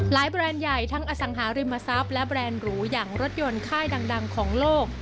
แบรนด์ใหญ่ทั้งอสังหาริมทรัพย์และแบรนด์หรูอย่างรถยนต์ค่ายดังของโลก